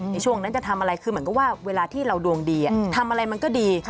ในช่วงนั้นจะทำอะไรคือเหมือนกับว่าเวลาที่เราดวงดีทำอะไรมันก็ดี